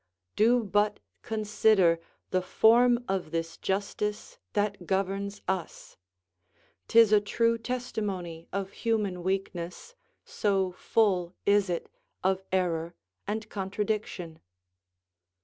Do but consider the form of this justice that governs us; 'tis a true testimony of human weakness, so full is it of error and contradiction.